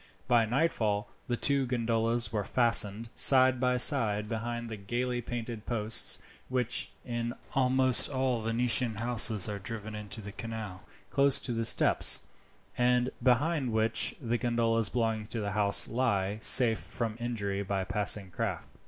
By nightfall the two gondolas were fastened, side by side, behind the gaily painted posts which, in almost all Venetian houses, are driven into the canal close to the steps, and behind which the gondolas belonging to the house lie safe from injury by passing craft.